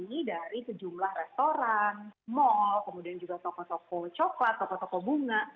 ini dari sejumlah restoran mall kemudian juga toko toko coklat toko toko bunga